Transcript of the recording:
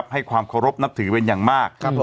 ให้ความเคารพนับถือเป็นอย่างมาก